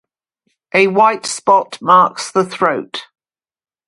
A white spot marks the throat.